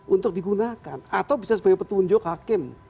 untuk digunakan atau bisa sebagai petunjuk hakim